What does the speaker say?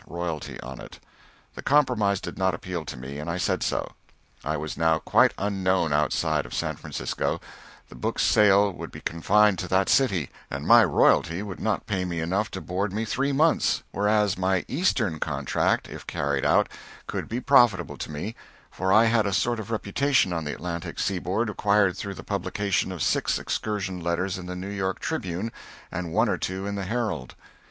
royalty on it. The compromise did not appeal to me, and I said so. I was now quite unknown outside of San Francisco, the book's sale would be confined to that city, and my royalty would not pay me enough to board me three months; whereas my Eastern contract, if carried out, could be profitable to me, for I had a sort of reputation on the Atlantic seaboard acquired through the publication of six excursion letters in the New York "Tribune" and one or two in the "Herald."